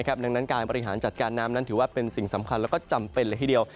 ดังนั้นการบริหารจัดการน้ำนั้นถือว่าเป็นสิ่งสำคัญแล้วก็จำเป็นเลยทีเดียว